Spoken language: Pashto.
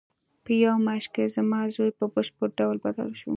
په یوه میاشت کې زما زوی په بشپړ ډول بدل شو